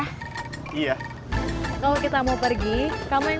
belakangan sebelum ada sampe consists